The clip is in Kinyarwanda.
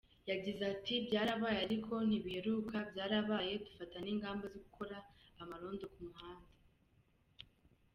Yagize ati “Byarabaye ariko ntibiheruka, byarabaye dufata n’ingamba zo gukora amarondo ku muhanda.